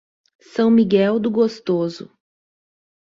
São Miguel do Gostoso